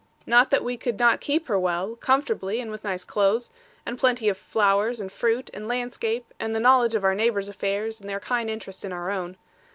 Not that we could not keep her well, comfortably, and with nice clothes, and plenty of flowers, and fruit, and landscape, and the knowledge of our neighbours' affairs, and their kind interest in our own.